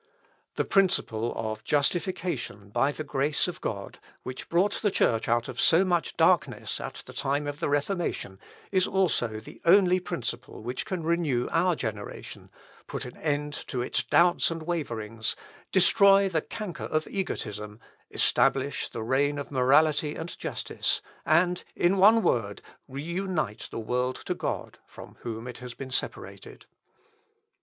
The principle of justification by the grace of God, which brought the Church out of so much darkness at the time of the Reformation, is also the only principle which can renew our generation, put an end to its doubts and waverings, destroy the canker of egotism, establish the reign of morality and justice, and, in one word reunite the world to God, from whom it has been separated. Harms de Kiel.